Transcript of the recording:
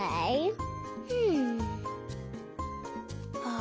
あ！